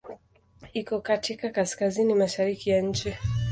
Iko katika kaskazini-mashariki ya nchi.